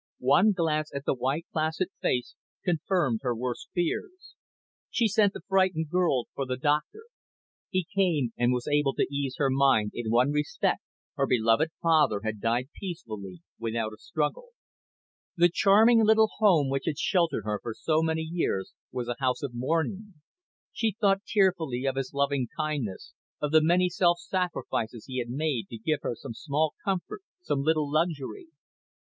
One glance at the white, placid face confirmed her worst fears. She sent the frightened girl for the doctor. He came, and was able to ease her mind in one respect her beloved father had died peacefully, without a struggle. The charming little home which had sheltered her for so many years was a house of mourning. She thought tearfully of his loving kindness, of the many self sacrifices he had made to give her some small comfort, some little luxury.